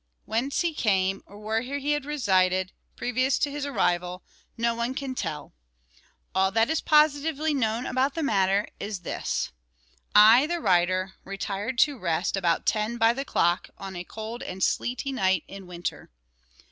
Whence he came, or where he had resided previous to his arrival, no one can tell. All that is positively known about the matter is this: I, the writer, retired to rest about ten by the clock on a cold and sleety night in winter.